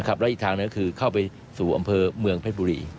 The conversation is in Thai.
แล้วอีกทางหนึ่งก็คือเข้าไปสู่อำเภอเมืองเพชรบุรี